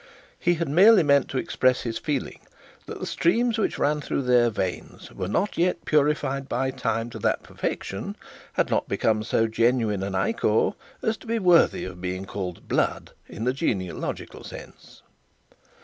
He had merely meant to express his feeling that the streams which ran through their not veins were yet purified by time to that perfection, had not become so genuine an ichor, as to be worthy of being called blood in the genealogical sense.